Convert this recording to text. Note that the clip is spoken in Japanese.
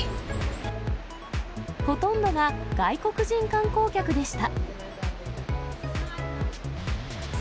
ほとんどが外国人観光客でした。